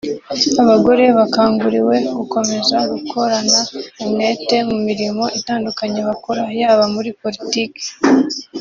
Abagore bakanguriwe gukomeza gukorana umwete mu mirimo itandukanye bakora yaba muri politike